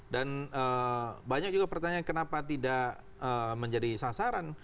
dan banyak juga pertanyaan kenapa tidak menjadi sasaran